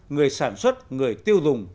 người sản xuất người tiêu dùng